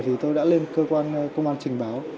thì tôi đã lên cơ quan công an trình báo